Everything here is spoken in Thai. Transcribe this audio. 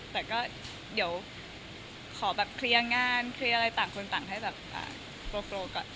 แต่ก็เดี๋ยวขอแบบเคลียร์งานเคลียร์อะไรต่างคนต่างให้แบบโปรก่อน